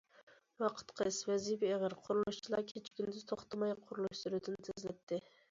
ۋاقىت قىس، ۋەزىپە ئېغىر، قۇرۇلۇشچىلار كېچە- كۈندۈز توختىماي قۇرۇلۇش سۈرئىتىنى تېزلەتتى.